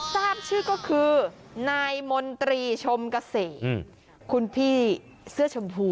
ทราบชื่อก็คือนายมนตรีชมเกษมคุณพี่เสื้อชมพู